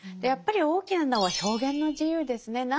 やっぱり大きなのは表現の自由ですね。